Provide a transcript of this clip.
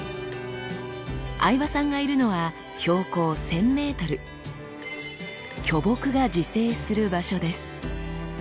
相葉さんがいるのは標高１，０００ｍ巨木が自生する場所です。